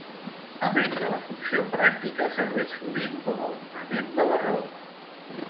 A més de la funció pràctica serveix sovint com a ornament de la roba.